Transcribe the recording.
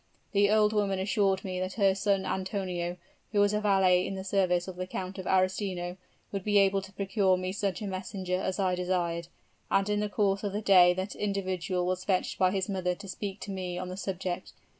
The old woman assured me that her son Antonio, who was a valet in the service of the Count of Arestino, would be able to procure me such a messenger as I desired, and in the course of the day that individual was fetched by his mother to speak to me on the subject.